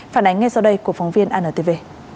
phản ánh ngay sau đây của phóng viên antv